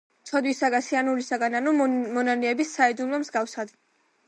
ცოდვებისაგან, სინანულის ანუ მონანიების საიდუმლო მსგავსად.